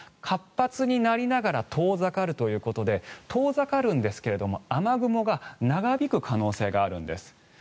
活発になりながら遠ざかるということで遠ざかるんですが雨雲が長引く可能性があるんです。